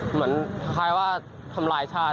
เหมือนคล้ายว่าทำลายชาติ